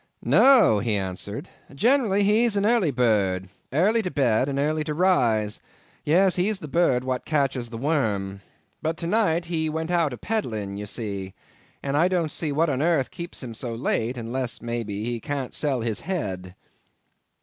"No," he answered, "generally he's an early bird—airley to bed and airley to rise—yes, he's the bird what catches the worm. But to night he went out a peddling, you see, and I don't see what on airth keeps him so late, unless, may be, he can't sell his head."